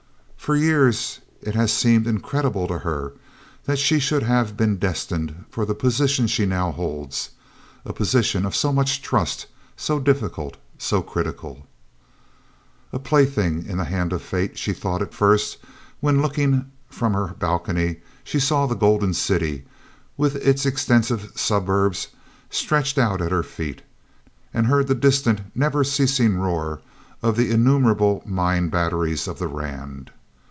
For years it has seemed incredible to her that she should have been destined for the position she now holds, a position of so much trust, so difficult, so critical. A plaything in the hand of Fate, she thought at first, when looking from her balcony she saw the Golden City, with its extensive suburbs stretched out at her feet, and heard the distant, never ceasing roar of the innumerable mine batteries of the Rand.